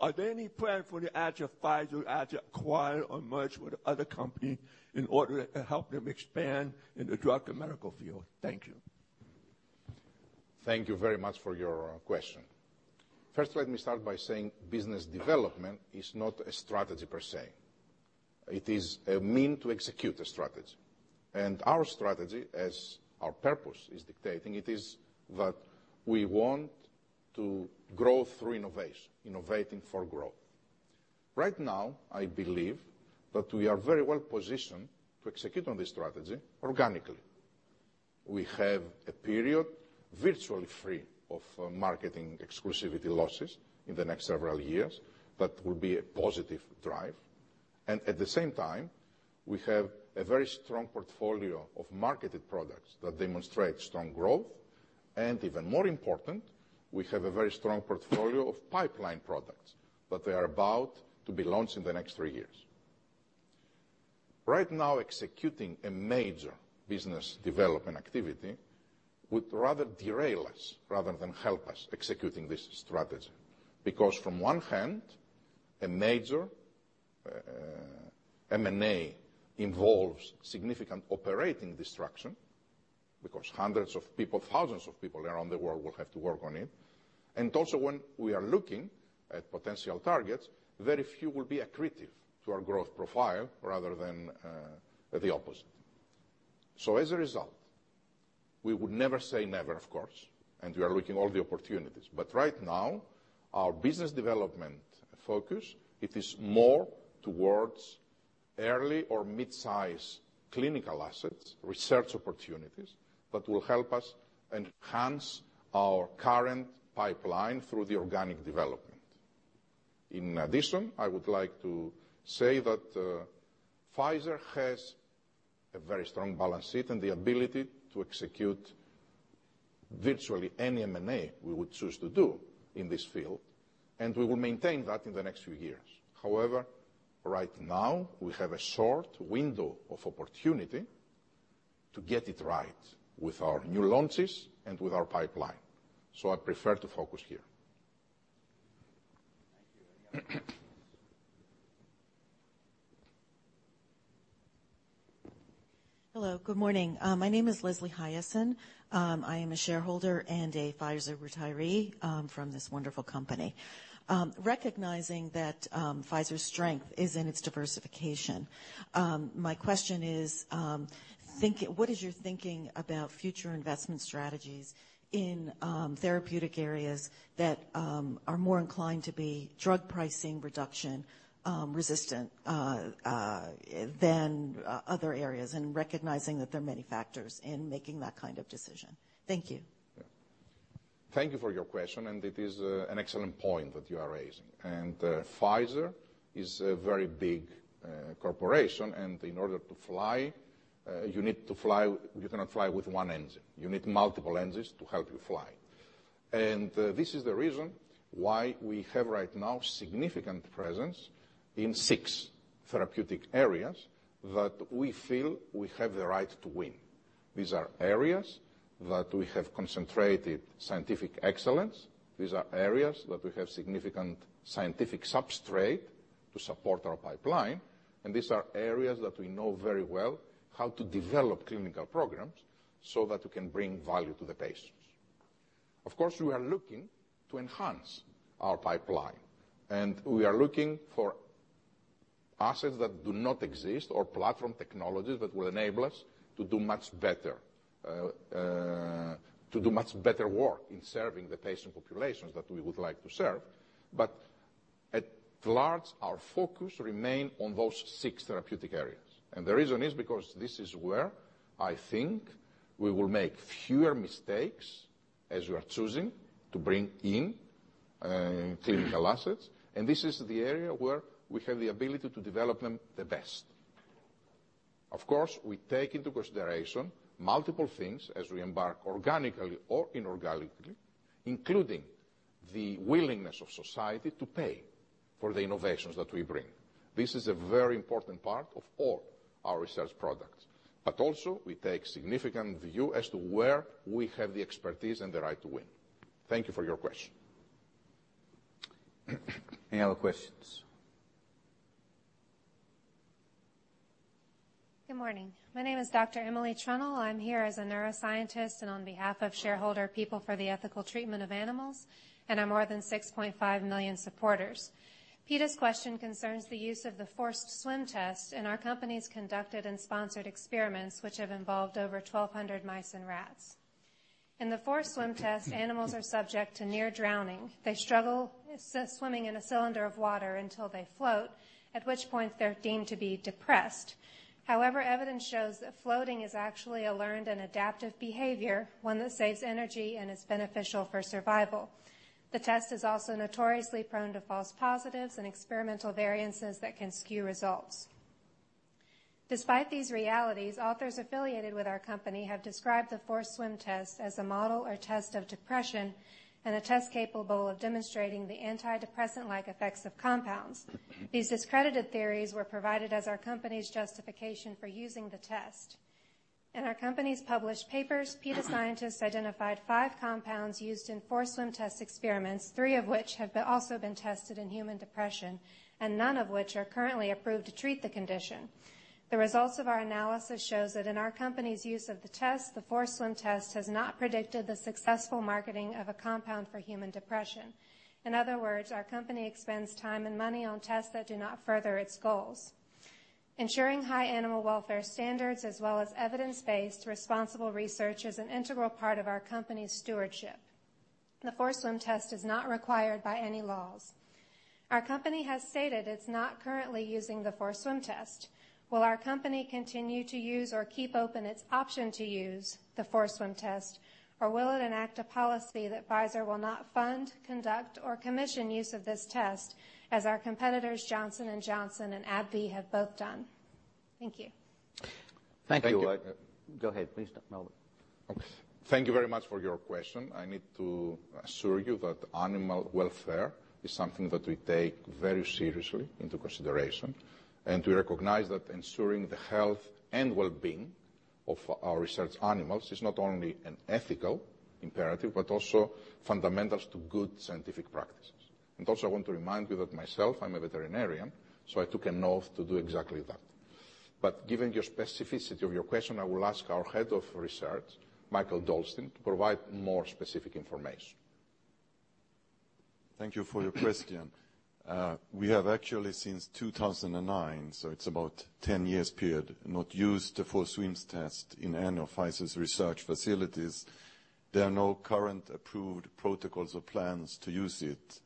are there any plans for Pfizer to acquire or merge with other companies in order to help them expand in the drug and medical field? Thank you. Thank you very much for your question. First, let me start by saying business development is not a strategy per se. It is a means to execute a strategy. Our strategy, as our purpose is dictating, it is that we want to grow through innovation, innovating for growth. Right now, I believe that we are very well positioned to execute on this strategy organically. We have a period virtually free of marketing exclusivity losses in the next several years. That will be a positive drive. At the same time, we have a very strong portfolio of marketed products that demonstrate strong growth. Even more important, we have a very strong portfolio of pipeline products that are about to be launched in the next three years. Right now, executing a major business development activity would rather derail us rather than help us executing this strategy. From one hand, a major M&A involves significant operating disruption, because hundreds of people, thousands of people around the world will have to work on it. Also when we are looking at potential targets, very few will be accretive to our growth profile rather than the opposite. As a result, we would never say never, of course. We are looking at all the opportunities. Right now, our business development focus is more towards early or mid-size clinical assets, research opportunities that will help us enhance our current pipeline through the organic development. In addition, I would like to say that Pfizer has a very strong balance sheet and the ability to execute virtually any M&A we would choose to do in this field. We will maintain that in the next few years. However, right now we have a short window of opportunity to get it right with our new launches and with our pipeline, so I prefer to focus here. Thank you. Any other questions? Hello, good morning. My name is Leslie Hiaasen. I am a shareholder and a Pfizer retiree from this wonderful company. Recognizing that Pfizer's strength is in its diversification, my question is, what is your thinking about future investment strategies in therapeutic areas that are more inclined to be drug pricing reduction resistant than other areas? Recognizing that there are many factors in making that kind of decision. Thank you. Thank you for your question, and it is an excellent point that you are raising. Pfizer is a very big corporation, and in order to fly, you cannot fly with one engine. You need multiple engines to help you fly. This is the reason why we have right now a significant presence in six therapeutic areas that we feel we have the right to win. These are areas that we have concentrated scientific excellence. These are areas that we have significant scientific substrate to support our pipeline, and these are areas that we know very well how to develop clinical programs so that we can bring value to the patients. Of course, we are looking to enhance our pipeline, we are looking for assets that do not exist or platform technologies that will enable us to do much better work in serving the patient populations that we would like to serve. At large, our focus remains on those six therapeutic areas. The reason is because this is where I think we will make fewer mistakes as we are choosing to bring in clinical assets. This is the area where we have the ability to develop them the best. Of course, we take into consideration multiple things as we embark organically or inorganically, including the willingness of society to pay for the innovations that we bring. This is a very important part of all our research products. Also we take significant view as to where we have the expertise and the right to win. Thank you for your question. Any other questions? Good morning. My name is Dr. Emily Trunnell. I'm here as a neuroscientist and on behalf of shareholder People for the Ethical Treatment of Animals and our more than 6.5 million supporters. PETA's question concerns the use of the forced swim test in our company's conducted and sponsored experiments, which have involved over 1,200 mice and rats. In the forced swim test, animals are subject to near-drowning. They struggle swimming in a cylinder of water until they float, at which point they're deemed to be depressed. However, evidence shows that floating is actually a learned and adaptive behavior, one that saves energy and is beneficial for survival. The test is also notoriously prone to false positives and experimental variances that can skew results. Despite these realities, authors affiliated with our company have described the forced swim test as a model or test of depression and a test capable of demonstrating the antidepressant-like effects of compounds. These discredited theories were provided as our company's justification for using the test. In our company's published papers, PETA scientists identified five compounds used in forced swim test experiments, three of which have also been tested in human depression, and none of which are currently approved to treat the condition. The results of our analysis shows that in our company's use of the test, the forced swim test has not predicted the successful marketing of a compound for human depression. In other words, our company spends time and money on tests that do not further its goals. Ensuring high animal welfare standards as well as evidence-based responsible research is an integral part of our company's stewardship. The forced swim test is not required by any laws. Our company has stated it's not currently using the forced swim test. Will our company continue to use or keep open its option to use the forced swim test, or will it enact a policy that Pfizer will not fund, conduct, or commission use of this test as our competitors Johnson & Johnson and AbbVie have both done? Thank you. Thank you. Go ahead, please, Albert. Thank you very much for your question. I need to assure you that animal welfare is something that we take very seriously into consideration. We recognize that ensuring the health and well-being of our research animals is not only an ethical imperative but also fundamental to good scientific practices. Also, I want to remind you that myself, I'm a veterinarian, so I took an oath to do exactly that. Given your specificity of your question, I will ask our head of research, Mikael Dolsten, to provide more specific information. Thank you for your question. We have actually since 2009, so it's about 10 years period, not used the forced swim test in any of Pfizer's research facilities. There are no current approved protocols or plans to use it.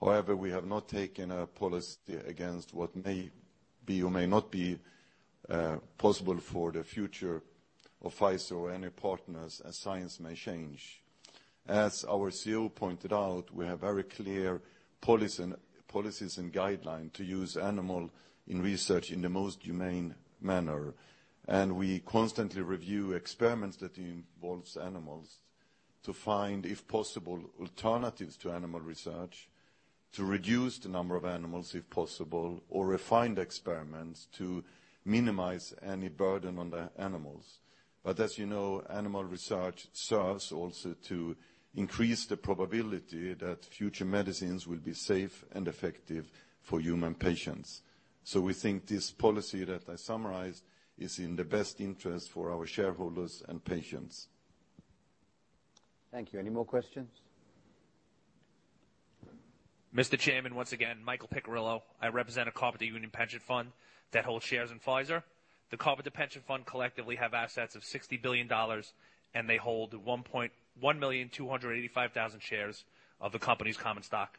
However, we have not taken a policy against what may be or may not be possible for the future of Pfizer or any partners as science may change. As our CEO pointed out, we have very clear policies and guidelines to use animals in research in the most humane manner. We constantly review experiments that involve animals to find, if possible, alternatives to animal research, to reduce the number of animals if possible, or refine the experiments to minimize any burden on the animals. As you know, animal research serves also to increase the probability that future medicines will be safe and effective for human patients. We think this policy that I summarized is in the best interest for our shareholders and patients. Thank you. Any more questions? Mr. Chairman, once again, Michael Piccirillo. I represent a Carpenters union pension fund that holds shares in Pfizer. The Carpenters pension fund collectively have assets of $60 billion, and they hold 1,285,000 shares of the company's common stock.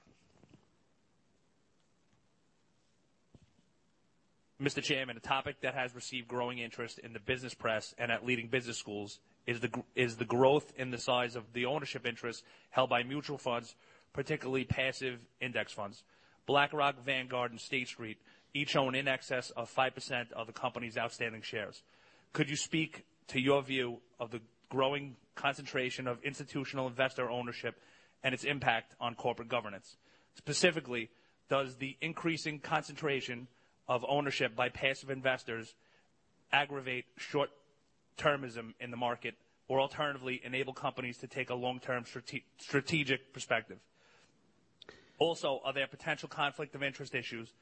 Mr. Chairman, a topic that has received growing interest in the business press and at leading business schools is the growth in the size of the ownership interest held by mutual funds, particularly passive index funds. BlackRock, Vanguard, and State Street each own in excess of 5% of the company's outstanding shares. Could you speak to your view of the growing concentration of institutional investor ownership and its impact on corporate governance? Specifically, does the increasing concentration of ownership by passive investors aggravate short-termism in the market, or alternatively, enable companies to take a long-term strategic perspective? Are there potential conflict of interest issues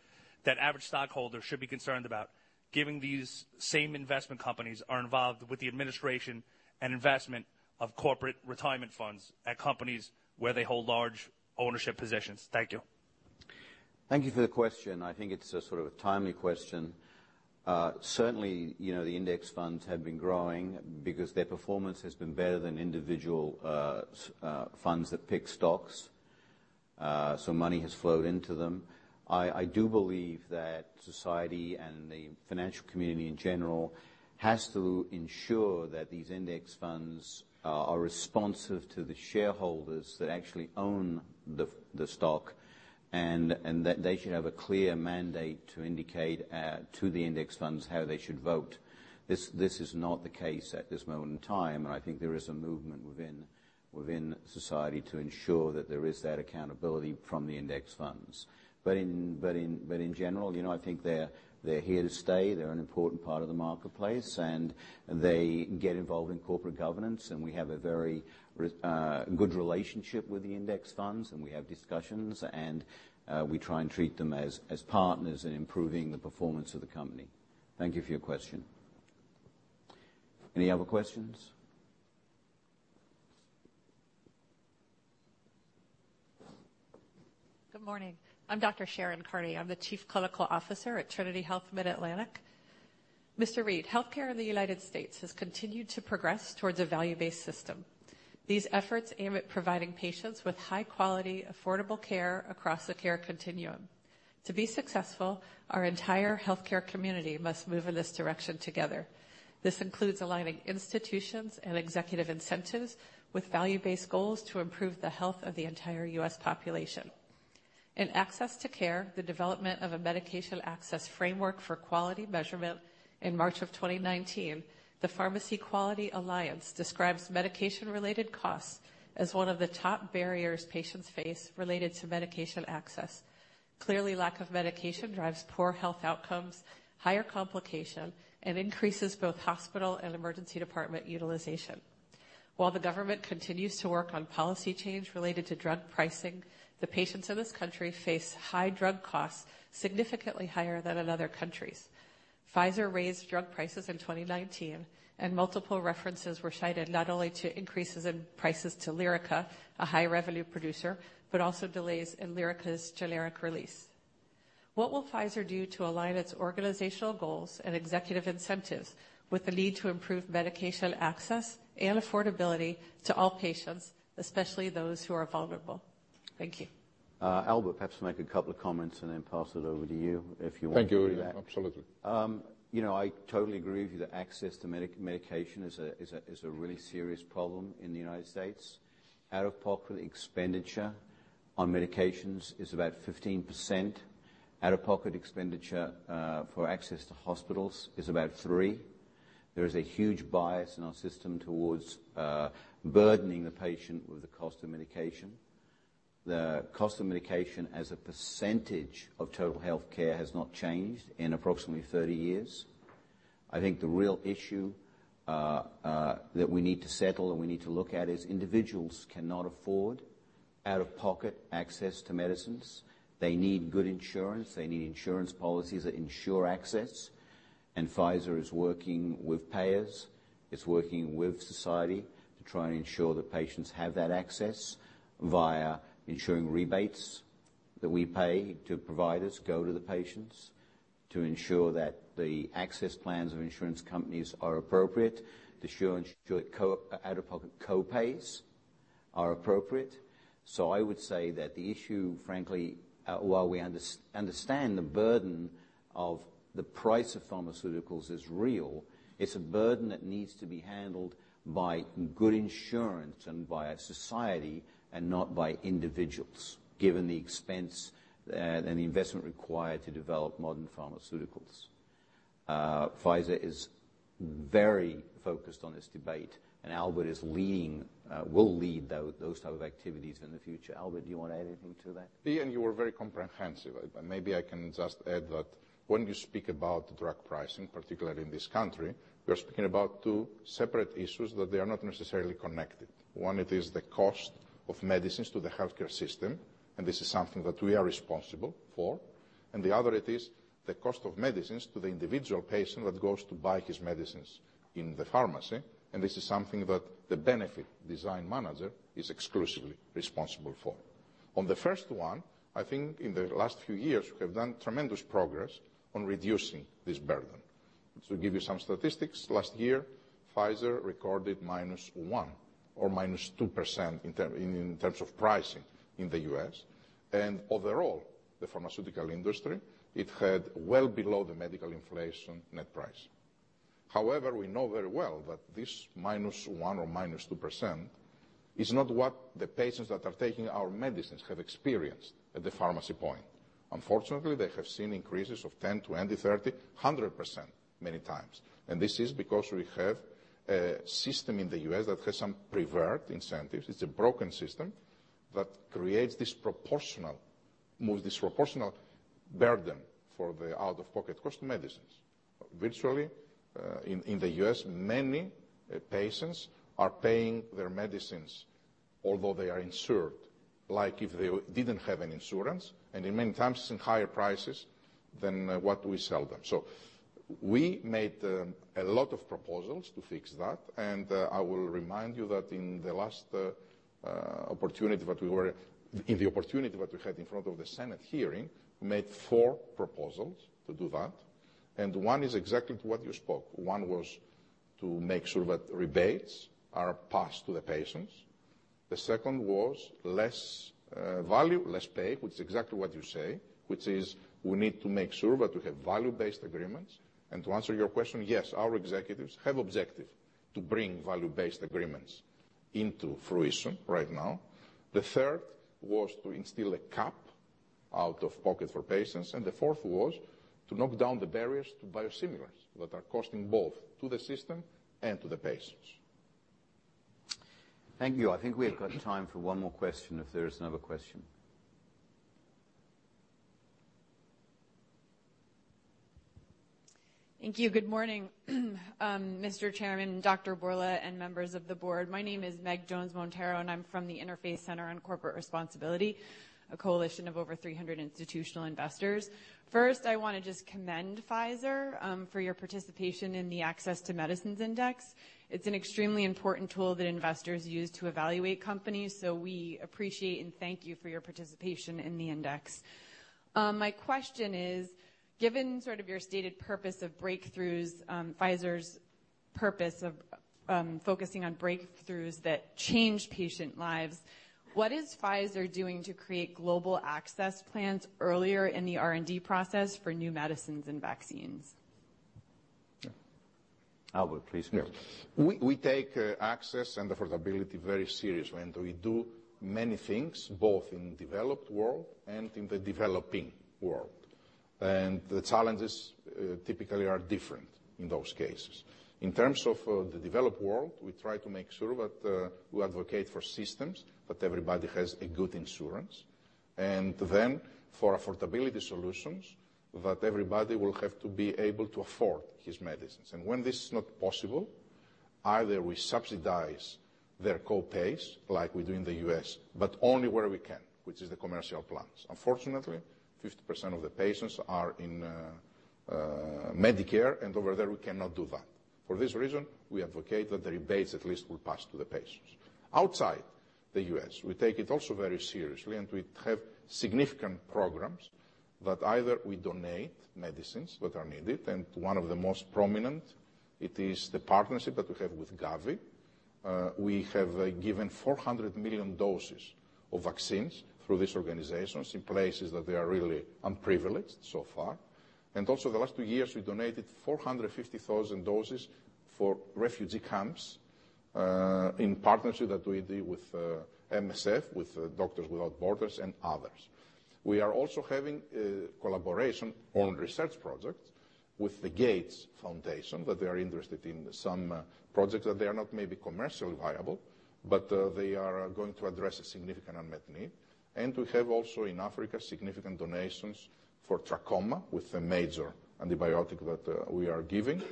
that average stockholders should be concerned about, given these same investment companies are involved with the administration and investment of corporate retirement funds at companies where they hold large ownership positions? Thank you. Thank you for the question. I think it's a sort of a timely question. Certainly, the index funds have been growing because their performance has been better than individual funds that pick stocks. Money has flowed into them. I do believe that society and the financial community in general has to ensure that these index funds are responsive to the shareholders that actually own the stock, and that they should have a clear mandate to indicate to the index funds how they should vote. This is not the case at this moment in time, and I think there is a movement within society to ensure that there is that accountability from the index funds. In general, I think they're here to stay. They're an important part of the marketplace, and they get involved in corporate governance, and we have a very good relationship with the index funds, and we have discussions, and we try and treat them as partners in improving the performance of the company. Thank you for your question. Any other questions? Good morning. I'm Dr. Sharon Carney. I'm the Chief Clinical Officer at Trinity Health Mid-Atlantic. Mr. Read, healthcare in the U.S. has continued to progress towards a value-based system. These efforts aim at providing patients with high-quality, affordable care across the care continuum. To be successful, our entire healthcare community must move in this direction together. This includes aligning institutions and executive incentives with value-based goals to improve the health of the entire U.S. population. In access to care, the development of a medication access framework for quality measurement in March of 2019, the Pharmacy Quality Alliance describes medication-related costs as one of the top barriers patients face related to medication access. Clearly, lack of medication drives poor health outcomes, higher complication, and increases both hospital and emergency department utilization. While the government continues to work on policy change related to drug pricing, the patients in this country face high drug costs, significantly higher than in other countries. Pfizer raised drug prices in 2019, and multiple references were cited not only to increases in prices to LYRICA, a high-revenue producer, but also delays in LYRICA's generic release. What will Pfizer do to align its organizational goals and executive incentives with the need to improve medication access and affordability to all patients, especially those who are vulnerable? Thank you. Albert, perhaps make a couple of comments and then pass it over to you if you want to do that. Thank you, Ian. Absolutely. I totally agree with you that access to medication is a really serious problem in the U.S. Out-of-pocket expenditure on medications is about 15%. Out-of-pocket expenditure for access to hospitals is about three. There is a huge bias in our system towards burdening the patient with the cost of medication. The cost of medication as a percentage of total healthcare has not changed in approximately 30 years. I think the real issue that we need to settle and we need to look at is individuals cannot afford out-of-pocket access to medicines. They need good insurance. They need insurance policies that ensure access, and Pfizer is working with payers. It's working with society to try and ensure that patients have that access via ensuring rebates that we pay to providers go to the patients, to ensure that the access plans of insurance companies are appropriate, to ensure out-of-pocket co-pays are appropriate. I would say that the issue, frankly, while we understand the burden of the price of pharmaceuticals is real, it's a burden that needs to be handled by good insurance and via society and not by individuals, given the expense and the investment required to develop modern pharmaceuticals. Pfizer is very focused on this debate, and Albert is leading, will lead those type of activities in the future. Albert, do you want to add anything to that? Ian, you were very comprehensive. Maybe I can just add that when you speak about drug pricing, particularly in this country, we are speaking about two separate issues that they are not necessarily connected. One, it is the cost of medicines to the healthcare system, and this is something that we are responsible for, and the other, it is the cost of medicines to the individual patient that goes to buy his medicines in the pharmacy, and this is something that the benefit design manager is exclusively responsible for. On the first one, I think in the last few years, we have done tremendous progress on reducing this burden. To give you some statistics, last year, Pfizer recorded minus 1% or minus 2% in terms of pricing in the U.S. Overall, the pharmaceutical industry, it had well below the medical inflation net price. We know very well that this minus 1% or minus 2% is not what the patients that are taking our medicines have experienced at the pharmacy point. Unfortunately, they have seen increases of 10%, 20%, 30%, 100% many times. This is because we have a system in the U.S. that has some perverted incentives. It's a broken system that creates disproportional burden for the out-of-pocket cost of medicines. Virtually, in the U.S., many patients are paying their medicines, although they are insured, like if they didn't have any insurance, and in many times, it's in higher prices than what we sell them. We made a lot of proposals to fix that, and I will remind you that in the last opportunity that we had in front of the Senate hearing, we made four proposals to do that, and one is exactly to what you spoke. One was to make sure that rebates are passed to the patients. The second was less value, less pay, which is exactly what you say, which is we need to make sure that we have value-based agreements. To answer your question, yes, our executives have objective to bring value-based agreements into fruition right now. The third was to instill a cap out of pocket for patients, and the fourth was to knock down the barriers to biosimilars that are costing both to the system and to the patients. Thank you. I think we have got time for one more question if there is another question. Thank you. Good morning, Mr. Chairman, Dr. Bourla, and members of the board. My name is Meg Jones-Monteiro, and I'm from the Interfaith Center on Corporate Responsibility, a coalition of over 300 institutional investors. First, I want to just commend Pfizer for your participation in the Access to Medicine Index. It's an extremely important tool that investors use to evaluate companies. We appreciate and thank you for your participation in the index. My question is, given your stated purpose of breakthroughs, Pfizer's purpose of focusing on breakthroughs that change patient lives, what is Pfizer doing to create global access plans earlier in the R&D process for new medicines and vaccines? Albert, please. Yes. We take access and affordability very seriously, we do many things both in developed world and in the developing world. The challenges typically are different in those cases. In terms of the developed world, we try to make sure that we advocate for systems, that everybody has a good insurance, then for affordability solutions, that everybody will have to be able to afford his medicines. When this is not possible, either we subsidize their co-pays, like we do in the U.S., but only where we can, which is the commercial plans. Unfortunately, 50% of the patients are in Medicare, and over there, we cannot do that. For this reason, we advocate that the rebates at least will pass to the patients. Outside the U.S., we take it also very seriously, we have significant programs that either we donate medicines that are needed, and one of the most prominent, it is the partnership that we have with Gavi. We have given 400 million doses of vaccines through these organizations in places that they are really unprivileged so far. Also the last two years, we donated 450,000 doses for refugee camps, in partnership that we did with MSF, with Doctors Without Borders and others. We are also having a collaboration on research projects with the Gates Foundation, that they are interested in some projects that they are not maybe commercially viable, but they are going to address a significant unmet need. We have also in Africa, significant donations for trachoma with a major antibiotic that we are giving.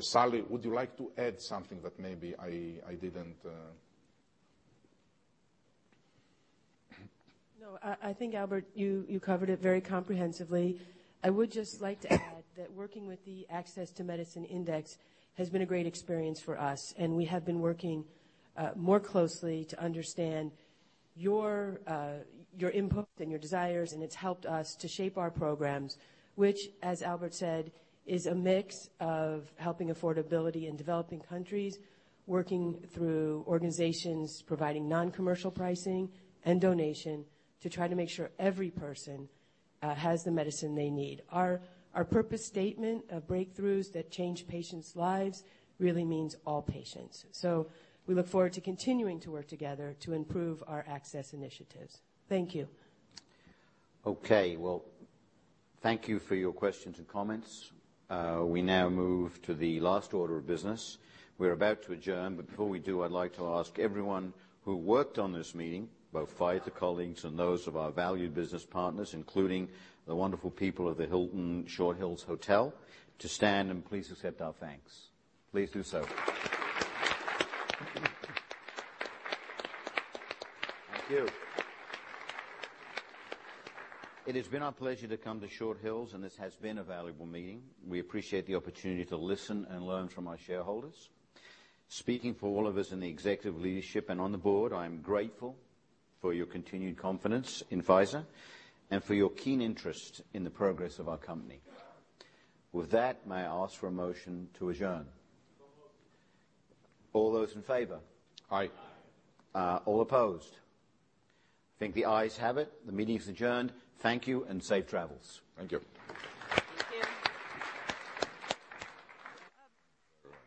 Sally, would you like to add something that maybe I didn't No, I think, Albert, you covered it very comprehensively. I would just like to add that working with the Access to Medicine Index has been a great experience for us, we have been working more closely to understand your input and your desires, it's helped us to shape our programs, which, as Albert said, is a mix of helping affordability in developing countries, working through organizations providing non-commercial pricing, and donation to try to make sure every person has the medicine they need. Our purpose statement of breakthroughs that change patients' lives really means all patients. We look forward to continuing to work together to improve our access initiatives. Thank you. Okay. Well, thank you for your questions and comments. We now move to the last order of business. We're about to adjourn, but before we do, I'd like to ask everyone who worked on this meeting, both Pfizer colleagues and those of our valued business partners, including the wonderful people of the Hilton Short Hills Hotel, to stand and please accept our thanks. Please do so. Thank you. It has been our pleasure to come to Short Hills, this has been a valuable meeting. We appreciate the opportunity to listen and learn from our shareholders. Speaking for all of us in the executive leadership and on the